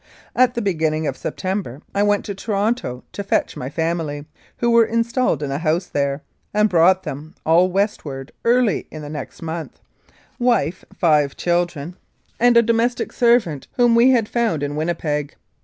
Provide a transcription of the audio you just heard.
At the beginning of September I went to Toronto to fetch my family, who were in stalled in a house there, and brought them all westward early in the next month wife, five children, and a 3 Mounted Police Life in Canada domestic servant whom we had found in Winnipeg.